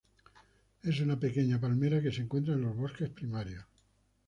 Es una pequeña palmera que se encuentra en los bosques primarios.